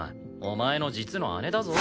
お前の実の姉だぞ。